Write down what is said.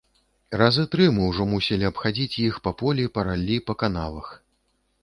Разы тры мы ўжо мусілі абхадзіць іх па полі, па раллі, па канавах.